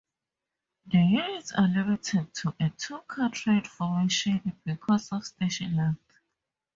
The units are limited to a two-car train formation because of station length.